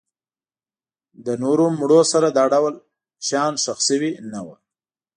له نورو مړو سره دا ډول شیان ښخ شوي نه وو.